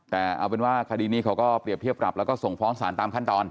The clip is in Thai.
แต่เอาเป็นว่าคดีนี้เขาก็เปรียบเทียบปรับแล้วก็ส่งฟ้องสารตามขั้นตอน